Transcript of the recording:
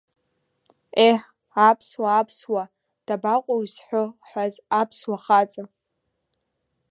Еҳ, Аԥсуа, Аԥсуа, дабаҟоу изҳәо ҳәаз Аԥсуа хаҵа?!